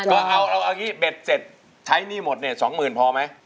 ก็เอาอย่างนี้เบ็ดเสร็จใช้หนี้หมดเนี่ย๒๐๐๐พอไหม